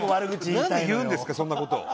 なんで言うんですかそんな事を。